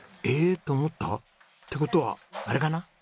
ええっ！？と思った。って事はあれかな？